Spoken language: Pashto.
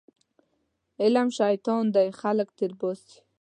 علم شیطان دی خلک تېرباسي